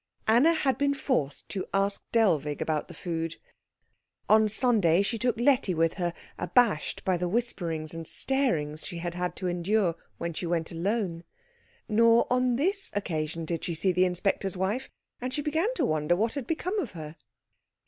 Anna had been forced to ask Dellwig about the food. On Sunday she took Letty with her, abashed by the whisperings and starings she had had to endure when she went alone. Nor on this occasion did she see the inspector's wife, and she began to wonder what had become of her.